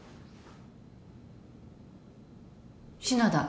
篠田。